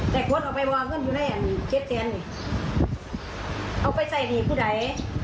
และควรเอาไปวางงินได้ไงเอาไปใส่หนีมผู้ใด